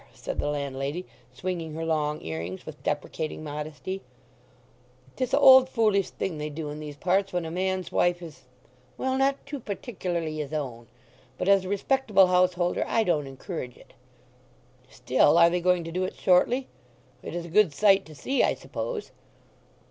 said the landlady, swinging her long earrings with deprecating modesty; "'tis a' old foolish thing they do in these parts when a man's wife is—well, not too particularly his own. But as a respectable householder I don't encourage it. "Still, are they going to do it shortly? It is a good sight to see, I suppose?"